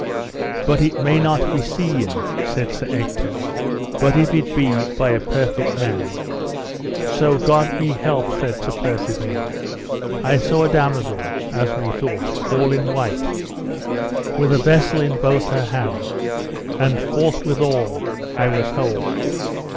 But it may not be seen, said Sir Ector, but if it be by a perfect man. So God me help, said Sir Percivale, I saw a damosel, as me thought, all in white, with a vessel in both her hands, and forthwithal I was whole.